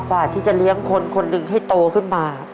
กว่าที่จะเลี้ยงคนคนหนึ่งให้โตขึ้นมา